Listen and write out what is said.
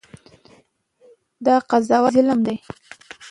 دا قضاوت ظلم دی.